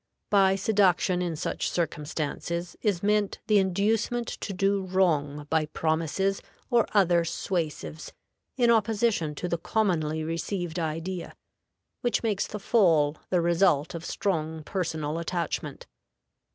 By seduction in such circumstances is meant the inducement to do wrong by promises or other suasives, in opposition to the commonly received idea, which makes the fall the result of strong personal attachment.